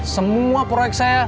semua proyek saya